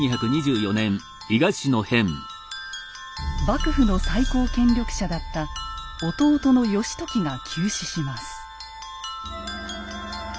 幕府の最高権力者だった弟の義時が急死します。